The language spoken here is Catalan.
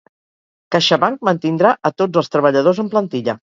CaixaBank mantindrà a tots els treballadors en plantilla